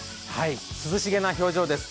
涼しげな表情です。